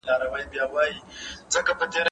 په ودونو او مېلمستیاوو کې کارول کېږي.